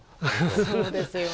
そうですよね。